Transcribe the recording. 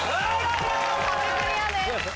壁クリアです。